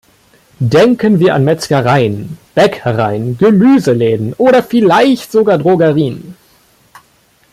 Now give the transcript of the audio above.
Denken wir an Metzgereien, Bäckereien, Gemüseläden oder vielleicht sogar Drogerien.